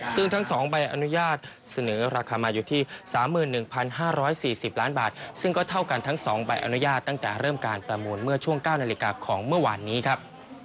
ซึ่งทั้ง๒ใบอนุญาตเสนอราคามาอยู่ที่๓๑๕๔๐ล้านบาทซึ่งก็เท่ากันทั้ง๒ใบอนุญาตตั้งแต่เริ่มการประมูลเมื่อช่วง๙นาฬิกาของเมื่อวานนี้ครับ